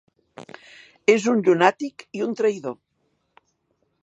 És un llunàtic i un traïdor.